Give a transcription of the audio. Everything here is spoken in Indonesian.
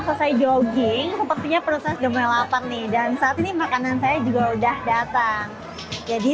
hai hafsa jogging sepertinya proses jempol delapan nih dan saat ini makanan saya juga udah datang jadi